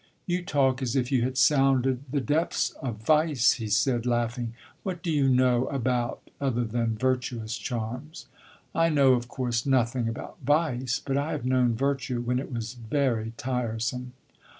"You talk as if you had sounded the depths of vice!" he said, laughing. "What do you know about other than virtuous charms?" "I know, of course, nothing about vice; but I have known virtue when it was very tiresome."